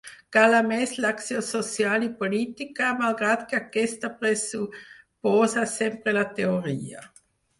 Cal, a més, l’acció social i política, malgrat que aquesta pressuposa sempre la teoria.